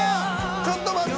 ちょっと待って！